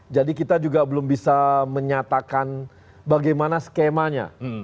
jadi kita juga belum bisa menyatakan bagaimana skemanya